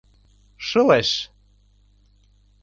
Шылеш.